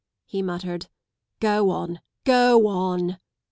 " he muttered, " Go on, go on!